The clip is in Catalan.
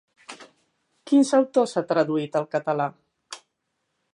Quins autors ha traduït al català?